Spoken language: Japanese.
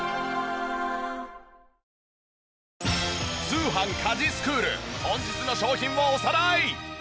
『通販☆家事スクール』本日の商品をおさらい！